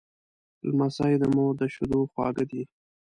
لمسی د مور د شیدو خواږه دی.